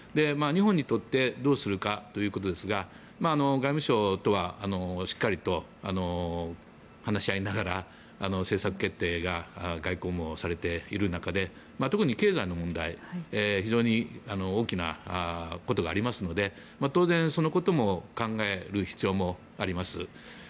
日本にとってどうするかということですが外務省とはしっかりと話し合いながら政策決定が外交もされている中で特に経済問題非常に大きなことがありますので当然そのことも考える必要もあります。